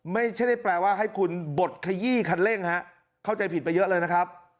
ไม่ใช่ได้แปลว่าให้คุณบดขยี้คันเร่งฮะเข้าใจผิดไปเยอะเลยนะครับ